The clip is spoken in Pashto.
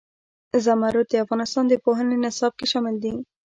زمرد د افغانستان د پوهنې نصاب کې شامل دي.